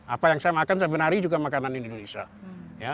apa yang saya makan sebenarnya juga makanan indonesia